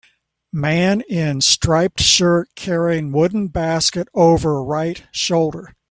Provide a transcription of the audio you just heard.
man in striped shirt carrying wooden basket over right shoulder